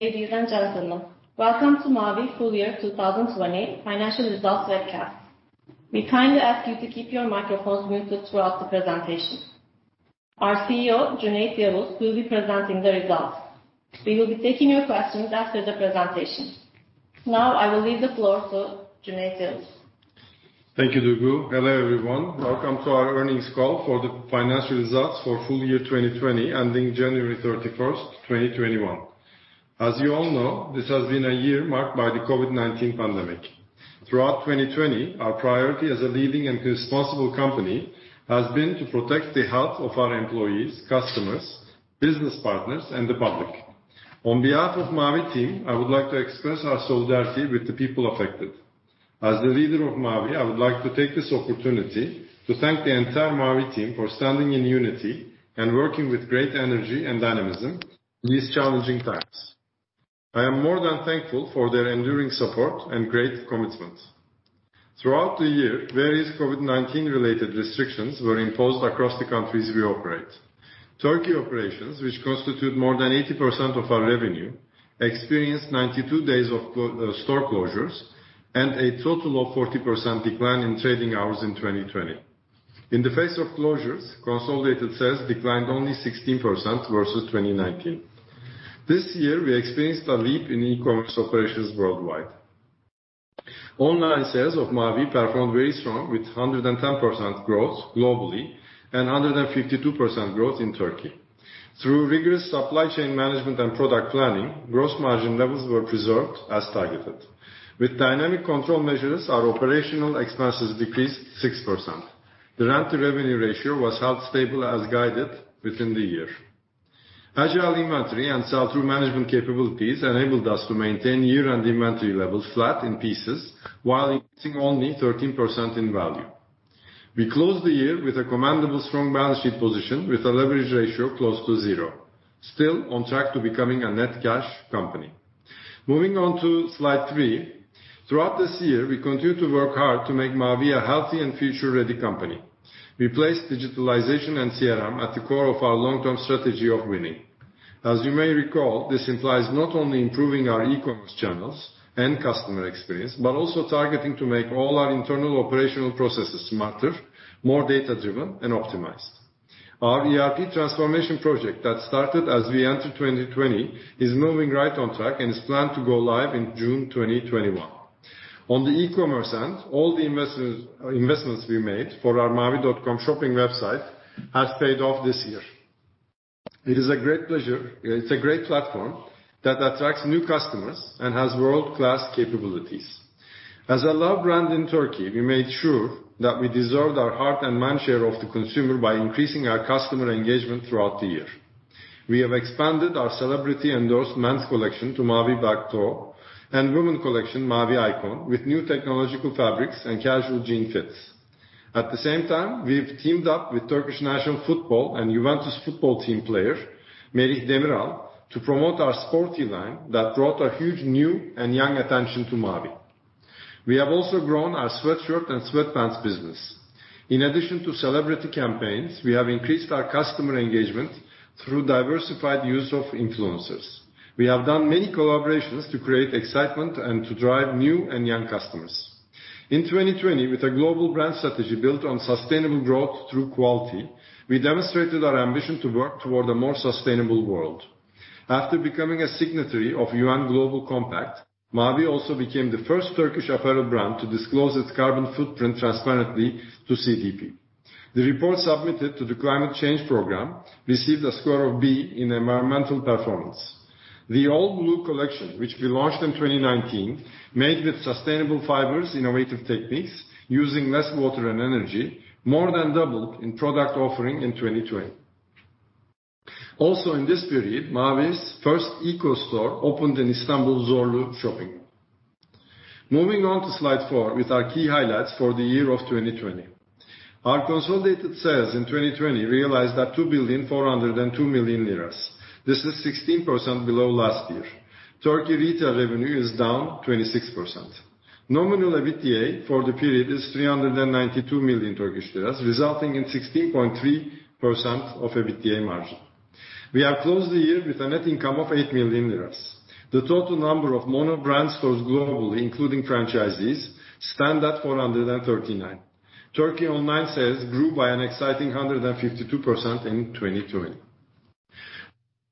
Ladies and gentlemen, welcome to Mavi full-year 2020 financial results webcast. We kindly ask you to keep your microphones muted throughout the presentation. Our CEO, Cüneyt Yavuz, will be presenting the results. We will be taking your questions after the presentation. Now I will leave the floor to Cüneyt Yavuz. Thank you, Duygu. Hello, everyone. Welcome to our earnings call for the financial results for full-year 2020, ending January 31st, 2021. As you all know, this has been a year marked by the COVID-19 pandemic. Throughout 2020, our priority as a leading and responsible company has been to protect the health of our employees, customers, business partners, and the public. On behalf of Mavi team, I would like to express our solidarity with the people affected. As the leader of Mavi, I would like to take this opportunity to thank the entire Mavi team for standing in unity and working with great energy and dynamism in these challenging times. I am more than thankful for their enduring support and great commitment. Throughout the year, various COVID-19 related restrictions were imposed across the countries we operate. Turkey operations, which constitute more than 80% of our revenue, experienced 92 days of store closures and a total of 40% decline in trading hours in 2020. In the face of closures, consolidated sales declined only 16% versus 2019. This year we experienced a leap in e-commerce operations worldwide. Online sales of Mavi performed very strong with 110% growth globally and 152% growth in Turkey. Through rigorous supply chain management and product planning, gross margin levels were preserved as targeted. With dynamic control measures, our operational expenses decreased 6%. The rent to revenue ratio was held stable as guided within the year. Agile inventory and sell-through management capabilities enabled us to maintain year-end inventory levels flat in pieces while increasing only 13% in value. We closed the year with a commendable strong balance sheet position with a leverage ratio close to zero, still on track to becoming a net cash company. Moving on to slide three. Throughout this year, we continued to work hard to make Mavi a healthy and future-ready company. We placed digitalization and CRM at the core of our long-term strategy of winning. As you may recall, this implies not only improving our e-commerce channels and customer experience but also targeting to make all our internal operational processes smarter, more data-driven, and optimized. Our ERP transformation project that started as we enter 2020 is moving right on track and is planned to go live in June 2021. On the e-commerce end, all the investments we made for our mavi.com shopping website has paid off this year. It's a great platform that attracts new customers and has world-class capabilities. As a loved brand in Turkey, we made sure that we deserved our heart and mind share of the consumer by increasing our customer engagement throughout the year. We have expanded our celebrity-endorsed men's collection to Mavi Black Pro and women collection, Mavi Icon, with new technological fabrics and casual jean fits. At the same time, we've teamed up with Turkish national football and Juventus football team player, Merih Demiral, to promote our sporty line that brought a huge, new, and young attention to Mavi. We have also grown our sweatshirt and sweatpants business. In addition to celebrity campaigns, we have increased our customer engagement through diversified use of influencers. We have done many collaborations to create excitement and to drive new and young customers. In 2020 with a global brand strategy built on sustainable growth through quality, we demonstrated our ambition to work toward a more sustainable world. After becoming a signatory of UN Global Compact, Mavi also became the first Turkish apparel brand to disclose its carbon footprint transparently to CDP. The report submitted to the climate change program received a score of B in environmental performance. The All Blue collection, which we launched in 2019, made with sustainable fibers, innovative techniques, using less water and energy, more than doubled in product offering in 2020. In this period, Mavi's first eco store opened in Istanbul Zorlu Shopping Mall. Moving on to slide four with our key highlights for the year of 2020. Our consolidated sales in 2020 realized at 2,402,000,000 lira. This is 16% below last year. Turkey retail revenue is down 26%. Nominal EBITDA for the period is 392 million Turkish lira, resulting in 16.3% of EBITDA margin. We have closed the year with a net income of 8 million lira. The total number of mono brand stores globally, including franchisees, stand at 439. Turkey online sales grew by an exciting 152% in 2020.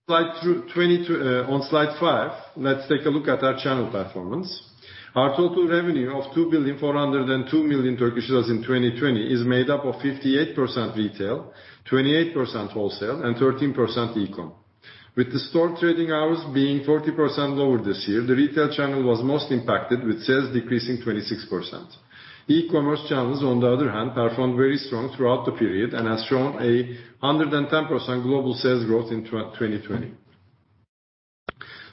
On slide five, let's take a look at our channel performance. Our total revenue of 2,402,000,000 in 2020 is made up of 58% retail, 28% wholesale, and 13% e-com. With the store trading hours being 40% lower this year, the retail channel was most impacted with sales decreasing 26%. E-commerce channels, on the other hand, performed very strong throughout the period and has shown a 110% global sales growth in 2020.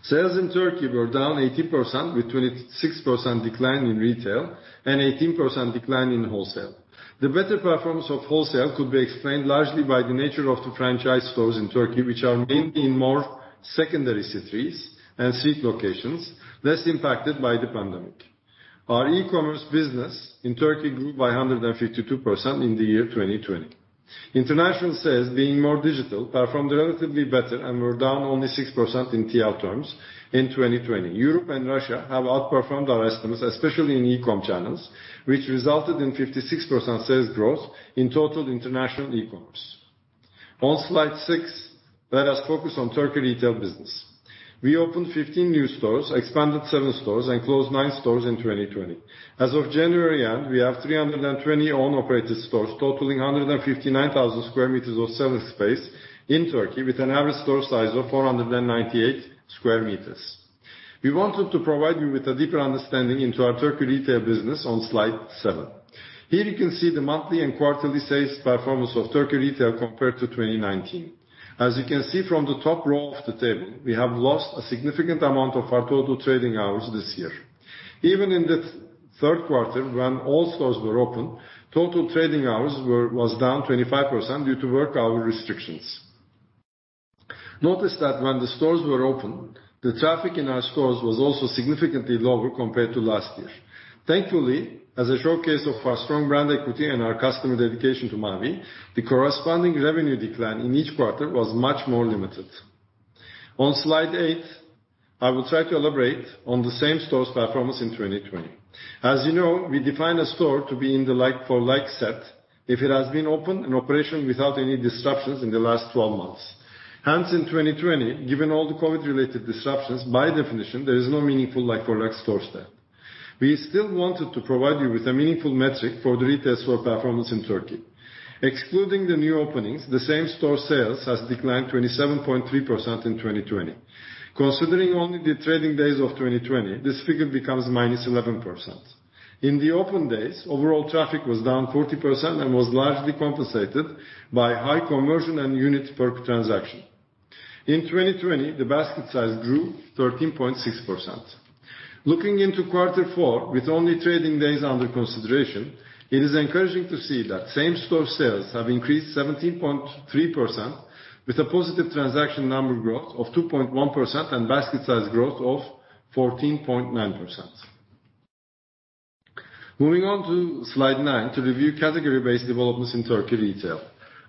Sales in Turkey were down 18% with 26% decline in retail and 18% decline in wholesale. The better performance of wholesale could be explained largely by the nature of the franchise stores in Turkey, which are mainly in more secondary cities and street locations less impacted by the pandemic. Our e-commerce business in Turkey grew by 152% in the year 2020. International sales, being more digital, performed relatively better, and were down only 6% in TRY terms in 2020. Europe and Russia have outperformed our estimates, especially in e-com channels, which resulted in 56% sales growth in total international e-commerce. On slide six, let us focus on Turkey retail business. We opened 15 new stores, expanded seven stores, and closed nine stores in 2020. As of January end, we have 320 own operated stores, totaling 159,000 sq m of selling space in Turkey, with an average store size of 498 sq m. We wanted to provide you with a deeper understanding into our Turkey retail business on slide seven. Here you can see the monthly and quarterly sales performance of Turkey retail compared to 2019. As you can see from the top row of the table, we have lost a significant amount of our total trading hours this year. Even in the third quarter when all stores were open, total trading hours was down 25% due to work hour restrictions. Notice that when the stores were open, the traffic in our stores was also significantly lower compared to last year. Thankfully, as a showcase of our strong brand equity and our customer dedication to Mavi, the corresponding revenue decline in each quarter was much more limited. On slide eight, I will try to elaborate on the same-stores performance in 2020. As you know, we define a store to be in the like-for-like set, if it has been open in operation without any disruptions in the last 12 months. Hence, in 2020, given all the COVID-related disruptions, by definition, there is no meaningful like-for-like store set. We still wanted to provide you with a meaningful metric for the retail store performance in Turkey. Excluding the new openings, the same-store sales has declined 27.3% in 2020. Considering only the trading days of 2020, this figure becomes -11%. In the open days, overall traffic was down 40% and was largely compensated by high conversion and units per transaction. In 2020, the basket size grew 13.6%. Looking into quarter four with only trading days under consideration, it is encouraging to see that same-store sales have increased 17.3%, with a positive transaction number growth of 2.1% and basket size growth of 14.9%. Moving on to Slide nine to review category-based developments in Turkey retail.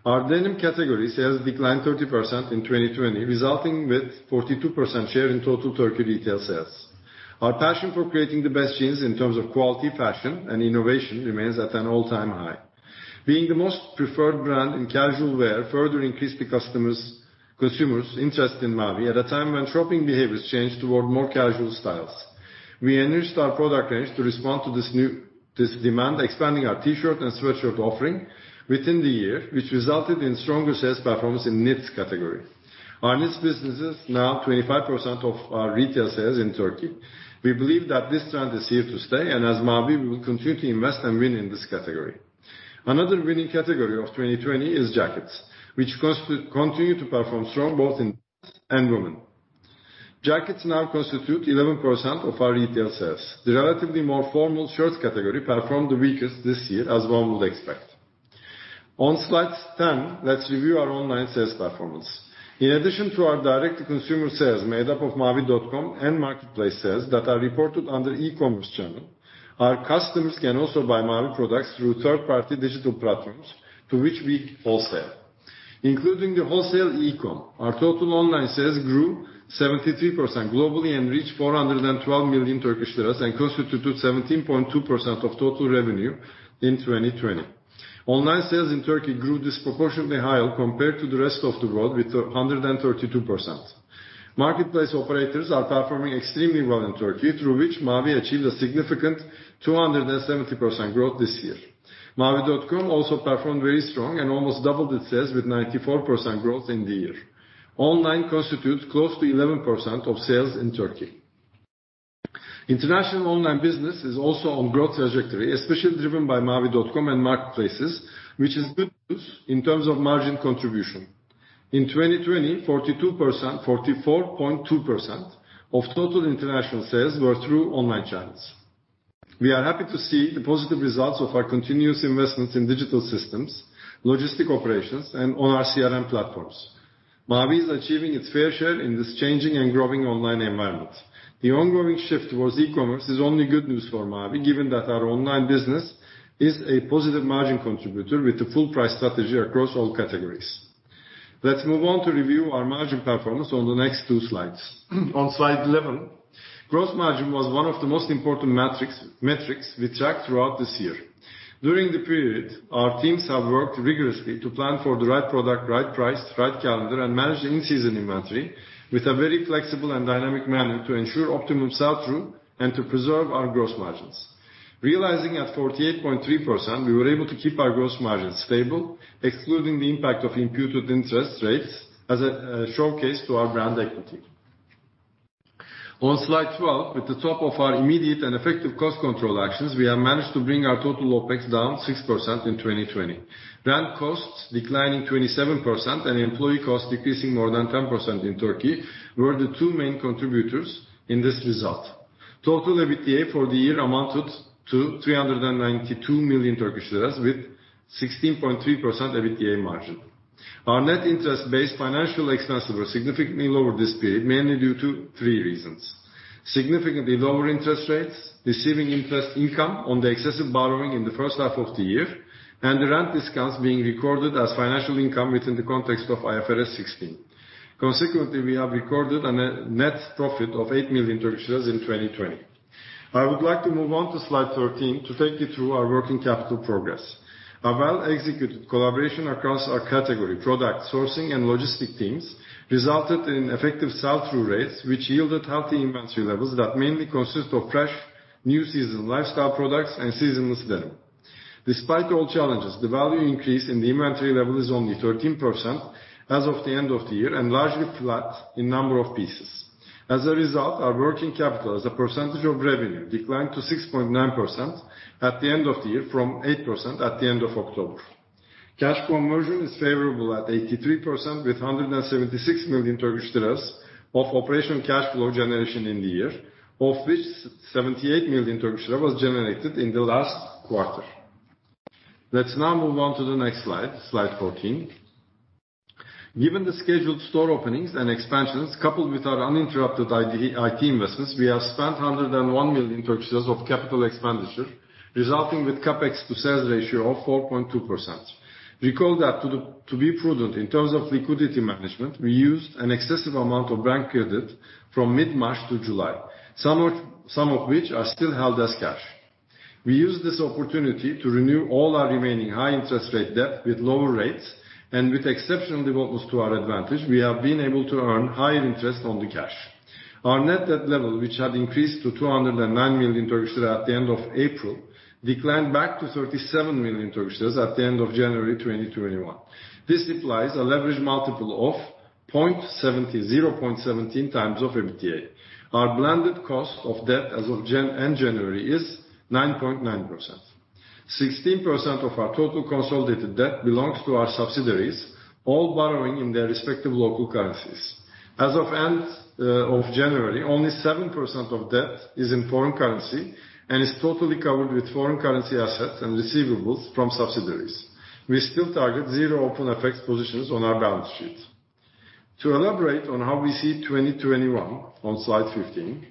Our denim category sales declined 30% in 2020, resulting with 42% share in total Turkey retail sales. Our passion for creating the best jeans in terms of quality, fashion, and innovation remains at an all-time high. Being the most preferred brand in casual wear further increased the consumers' interest in Mavi at a time when shopping behaviors changed toward more casual styles. We enriched our product range to respond to this demand, expanding our T-shirt and sweatshirt offering within the year, which resulted in stronger sales performance in knit category. Our knit business is now 25% of our retail sales in Turkey. We believe that this trend is here to stay, as Mavi, we will continue to invest and win in this category. Another winning category of 2020 is jackets, which continue to perform strong both in men's and women. Jackets now constitute 11% of our retail sales. The relatively more formal shirts category performed the weakest this year, as one would expect. On slide 10, let's review our online sales performance. In addition to our direct-to-consumer sales made up of mavi.com and marketplace sales that are reported under e-commerce channel, our customers can also buy Mavi products through third-party digital platforms to which we wholesale. Including the wholesale e-com, our total online sales grew 73% globally and reached 412 million Turkish lira and constituted 17.2% of total revenue in 2020. Online sales in Turkey grew disproportionately higher compared to the rest of the world, with 132%. Marketplace operators are performing extremely well in Turkey, through which Mavi achieved a significant 270% growth this year. Mavi.com also performed very strong and almost doubled its sales with 94% growth in the year. Online constitutes close to 11% of sales in Turkey. International online business is also on growth trajectory, especially driven by mavi.com and marketplaces, which is good news in terms of margin contribution. In 2020, 44.2% of total international sales were through online channels. We are happy to see the positive results of our continuous investments in digital systems, logistic operations, and on our CRM platforms. Mavi is achieving its fair share in this changing and growing online environment. The ongoing shift towards e-commerce is only good news for Mavi, given that our online business is a positive margin contributor with a full price strategy across all categories. Let's move on to review our margin performance on the next two slides. On slide 11, gross margin was one of the most important metrics we tracked throughout this year. During the period, our teams have worked rigorously to plan for the right product, right price, right calendar, and manage the in-season inventory with a very flexible and dynamic manner to ensure optimum sell-through and to preserve our gross margins. Realizing at 48.3%, we were able to keep our gross margins stable, excluding the impact of imputed interest rates as a showcase to our brand equity. On slide 12, at the top of our immediate and effective cost control actions, we have managed to bring our total OPEX down 6% in 2020. Brand costs declining 27% and employee costs decreasing more than 10% in Turkey were the two main contributors in this result. Total EBITDA for the year amounted to 392 million Turkish lira with 16.3% EBITDA margin. Our net interest base financial expenses were significantly lower this period, mainly due to three reasons. Significantly lower interest rates, receiving interest income on the excessive borrowing in the first half of the year, and the rent discounts being recorded as financial income within the context of IFRS 16. We have recorded a net profit of 8 million in 2020. I would like to move on to slide 13 to take you through our working capital progress. A well-executed collaboration across our category, product, sourcing, and logistic teams resulted in effective sell-through rates, which yielded healthy inventory levels that mainly consist of fresh new season lifestyle products and seasonless denim. Despite all challenges, the value increase in the inventory level is only 13% as of the end of the year, and largely flat in number of pieces. As a result, our working capital as a percentage of revenue declined to 6.9% at the end of the year from 8% at the end of October. Cash conversion is favorable at 83%, with TRY 176 million of operational cash flow generation in the year, of which TRY 78 million was generated in the last quarter. Let's now move on to the next slide 14. Given the scheduled store openings and expansions, coupled with our uninterrupted IT investments, we have spent 101 million of capital expenditure, resulting with CapEx to sales ratio of 4.2%. Recall that to be prudent in terms of liquidity management, we used an excessive amount of bank credit from mid-March to July. Some of which are still held as cash. We used this opportunity to renew all our remaining high interest rate debt with lower rates, and with exceptional developments to our advantage, we have been able to earn higher interest on the cash. Our net debt level, which had increased to 209 million Turkish lira at the end of April, declined back to 37 million Turkish lira at the end of January 2021. This implies a leverage multiple of 0.17x of EBITDA. Our blended cost of debt as of end January is 9.9%. 16% of our total consolidated debt belongs to our subsidiaries, all borrowing in their respective local currencies. As of end of January, only 7% of debt is in foreign currency and is totally covered with foreign currency assets and receivables from subsidiaries. We still target zero open FX positions on our balance sheet. To elaborate on how we see 2021, on slide 15.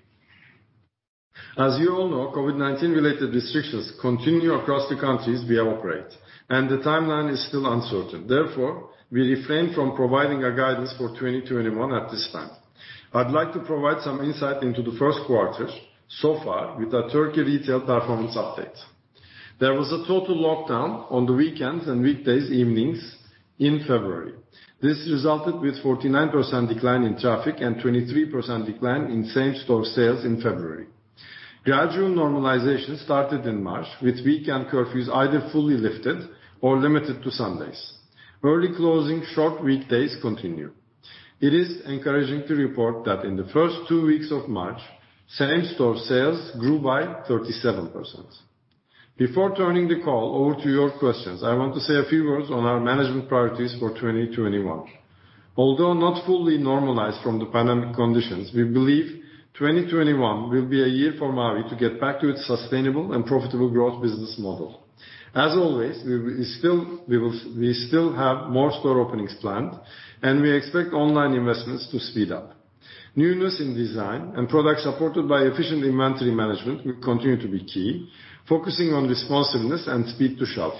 As you all know, COVID-19 related restrictions continue across the countries we operate, and the timeline is still uncertain. Therefore, we refrain from providing a guidance for 2021 at this time. I'd like to provide some insight into the first quarter so far with our Turkey retail performance update. There was a total lockdown on the weekends and weekdays, evenings in February. This resulted with 49% decline in traffic and 23% decline in same-store sales in February. Gradual normalization started in March, with weekend curfews either fully lifted or limited to Sundays. Early closing short weekdays continue. It is encouraging to report that in the first two weeks of March, same-store sales grew by 37%. Before turning the call over to your questions, I want to say a few words on our management priorities for 2021. Although not fully normalized from the pandemic conditions, we believe 2021 will be a year for Mavi to get back to its sustainable and profitable growth business model. As always, we still have more store openings planned, and we expect online investments to speed up. Newness in design and product supported by efficient inventory management will continue to be key, focusing on responsiveness and speed to shelf.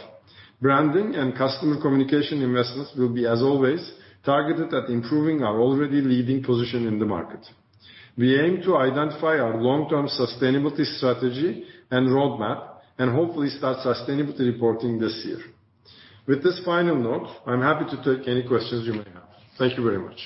Branding and customer communication investments will be, as always, targeted at improving our already leading position in the market. We aim to identify our long-term sustainability strategy and roadmap, and hopefully start sustainability reporting this year. With this final note, I'm happy to take any questions you may have. Thank you very much.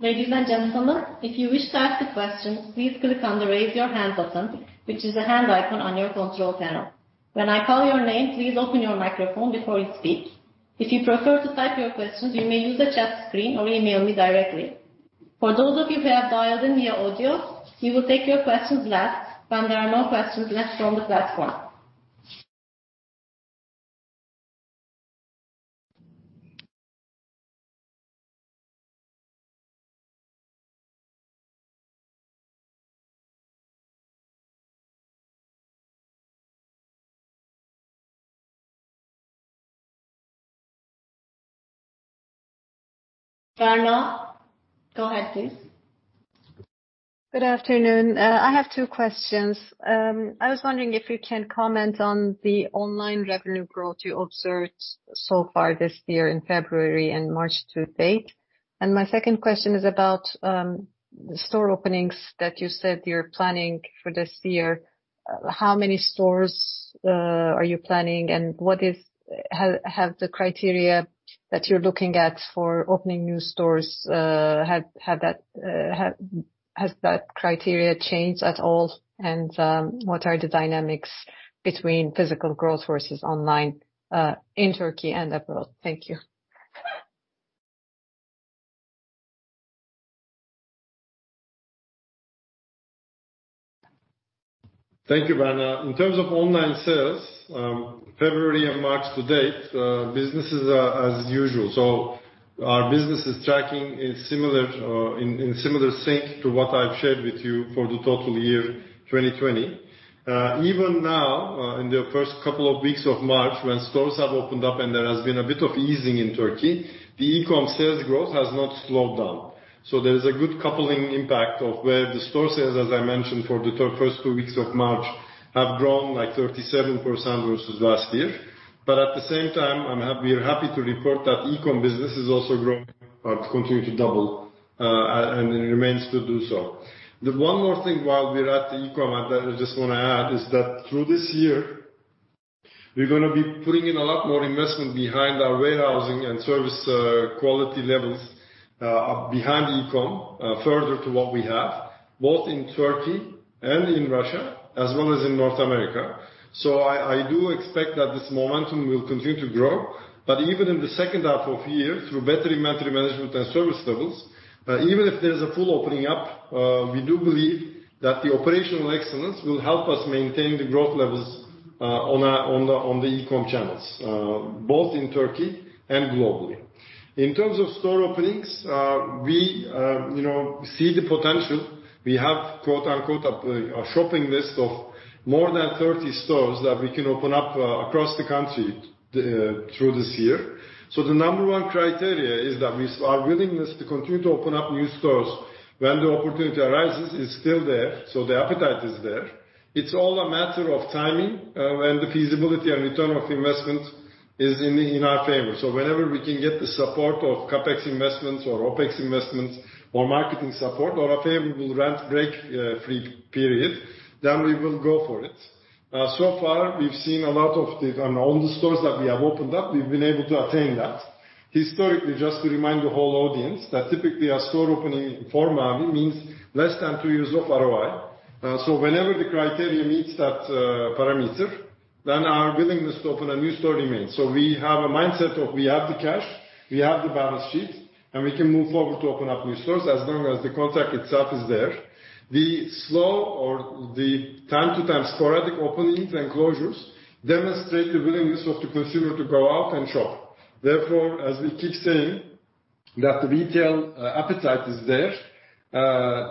Ladies and gentlemen, if you wish to ask a question, please click on the Raise Your Hand button, which is the hand icon on your control panel. When I call your name, please open your microphone before you speak. If you prefer to type your questions, you may use the chat screen or email me directly. For those of you who have dialed in via audio, we will take your questions last when there are no questions left from the platform. Banu, go ahead, please. Good afternoon. I have two questions. I was wondering if you can comment on the online revenue growth you observed so far this year in February and March to date. My second question is about store openings that you said you're planning for this year. How many stores are you planning, and have the criteria that you're looking at for opening new stores, has that criteria changed at all? What are the dynamics between physical growth versus online, in Turkey and abroad? Thank you. Thank you, Banu. In terms of online sales, February and March to date, business is as usual. Our business is tracking in similar sync to what I've shared with you for the total year 2020. Even now, in the first two weeks of March, when stores have opened up and there has been a bit of easing in Turkey, the e-com sales growth has not slowed down. There is a good coupling impact of where the store sales, as I mentioned, for the first two weeks of March, have grown like 37% versus last year. At the same time, we are happy to report that e-com business is also growing, but continue to double, and it remains to do so. The one more thing while we're at the e-com that I just want to add is that through this year, we're going to be putting in a lot more investment behind our warehousing and service quality levels behind e-com further to what we have, both in Turkey and in Russia, as well as in North America. I do expect that this momentum will continue to grow. Even in the second half of year, through better inventory management and service levels, even if there's a full opening up, we do believe that the operational excellence will help us maintain the growth levels on the e-com channels, both in Turkey and globally. In terms of store openings, we see the potential. We have a "shopping list" of more than 30 stores that we can open up across the country through this year. The number one criteria is that our willingness to continue to open up new stores when the opportunity arises is still there. The appetite is there. It's all a matter of timing, and the feasibility and return of investment is in our favor. Whenever we can get the support of CapEx investments or OpEx investments or marketing support or a favorable rent break free period, then we will go for it. Far, we've seen a lot of the stores that we have opened up, we've been able to attain that. Historically, just to remind the whole audience, that typically a store opening for Mavi means less than two years of ROI. Whenever the criteria meets that parameter, then our willingness to open a new store remains. We have a mindset of we have the cash, we have the balance sheet, and we can move forward to open up new stores as long as the contract itself is there. The slow or the time to time sporadic openings and closures demonstrate the willingness of the consumer to go out and shop. As we keep saying that the retail appetite is there,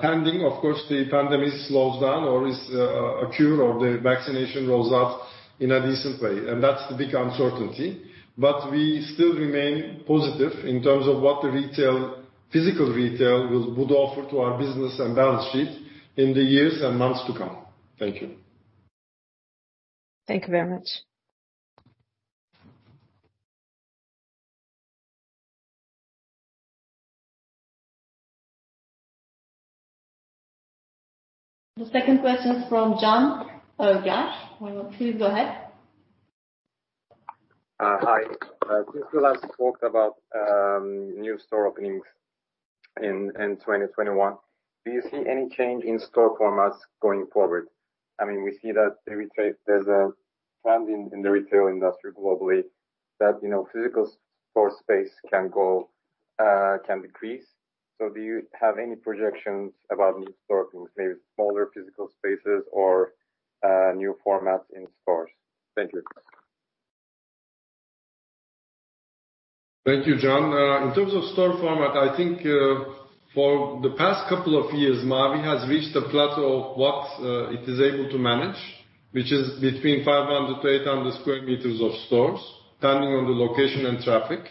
pending, of course, the pandemic slows down or is a cure or the vaccination rolls out in a decent way. That's the big uncertainty. We still remain positive in terms of what the retail, physical retail, would offer to our business and balance sheet in the years and months to come. Thank you. Thank you very much. The second question is from Can Ozkan. Please go ahead. Hi. Since you last talked about new store openings in 2021, do you see any change in store formats going forward? We see that there's a trend in the retail industry globally that physical store space can decrease. Do you have any projections about new store openings, maybe smaller physical spaces or new formats in stores? Thank you. Thank you, Can. In terms of store format, I think for the past couple of years, Mavi has reached a plateau of what it is able to manage, which is between 500- 800 sq m of stores, depending on the location and traffic.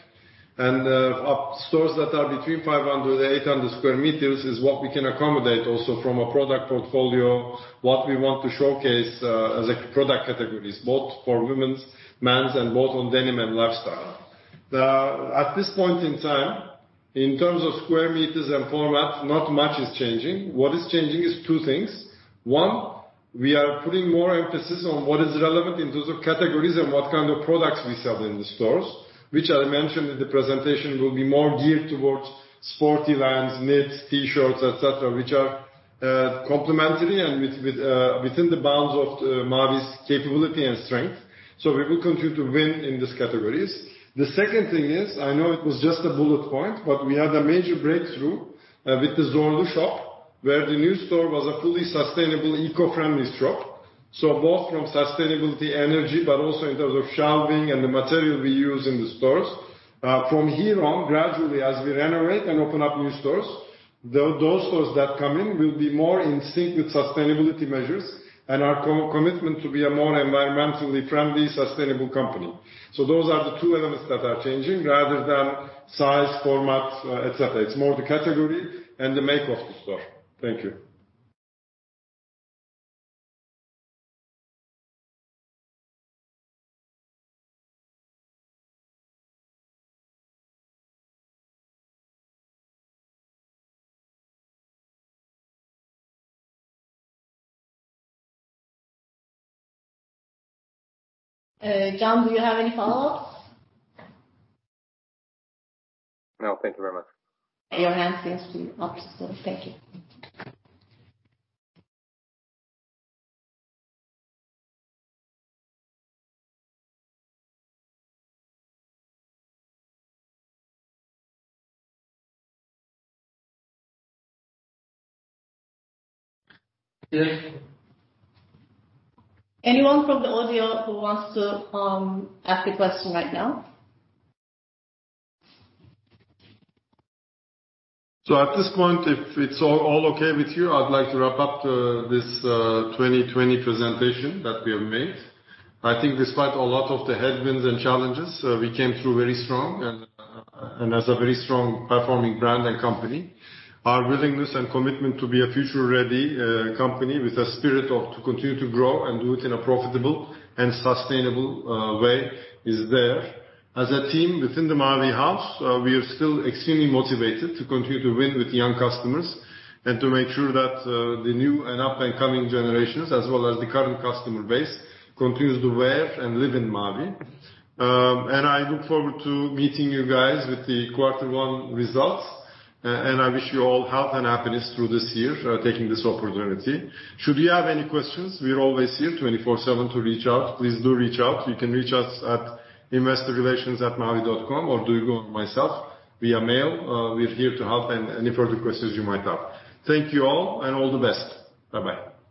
Stores that are between 500- 800 sq m is what we can accommodate also from a product portfolio, what we want to showcase as a product categories, both for women's, men's, and both on denim and lifestyle. At this point in time, in terms of square meter and format, not much is changing. What is changing is two things. One, we are putting more emphasis on what is relevant in terms of categories and what kind of products we sell in the stores, which I mentioned in the presentation will be more geared towards sporty lines, knit, T-shirts, et cetera, which are complementary and within the bounds of Mavi's capability and strength. The second thing is, I know it was just a bullet point, but we had a major breakthrough with the Zorlu shop, where the new store was a fully sustainable, eco-friendly shop. Both from sustainability energy, but also in terms of shelving and the material we use in the stores. From here on, gradually, as we renovate and open up new stores, those stores that come in will be more in sync with sustainability measures and our commitment to be a more environmentally friendly, sustainable company. Those are the two elements that are changing rather than size, format, et cetera. It's more the category and the make of the store. Thank you. Can, do you have any follow-ups? No. Thank you very much. Your hand seems to up still. Thank you. Anyone from the audio who wants to ask a question right now? At this point, if it's all okay with you, I'd like to wrap up this 2020 presentation that we have made. I think despite a lot of the headwinds and challenges, we came through very strong and as a very strong performing brand and company. Our willingness and commitment to be a future-ready company with a spirit to continue to grow and do it in a profitable and sustainable way is there. As a team within the Mavi house, we are still extremely motivated to continue to win with young customers and to make sure that the new and up and coming generations, as well as the current customer base, continues to wear and live in Mavi. I look forward to meeting you guys with the quarter one results, and I wish you all health and happiness through this year, taking this opportunity. Should you have any questions, we're always here 24/7 to reach out. Please do reach out. You can reach us at investorrelations@mavi.com or Duygu or myself via mail. We're here to help in any further questions you might have. Thank you all, and all the best. Bye-bye.